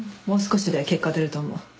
もう少しで結果出ると思う。